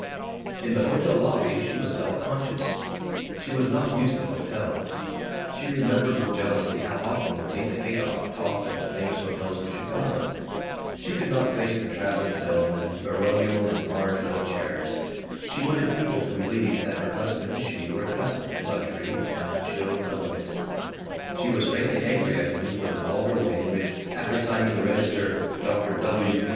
In the hotel lobby she was self conscious. She was not used to hotels; she remembered with jealousy how often Juanita Haydock talked of the famous hotels in Chicago. She could not face the traveling salesmen, baronial in large leather chairs. She wanted people to believe that her husband and she were accustomed to luxury and chill elegance; she was faintly angry at him for the vulgar way in which, after signing the register "Dr. W. P.